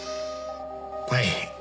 はい。